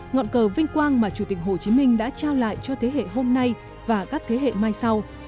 ngọn cờ vinh quang mà chủ tịch hồ chí minh đã trao lại cho thế hệ hôm nay và các thế hệ mai sau